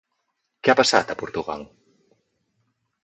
Què ha passat a Portugal?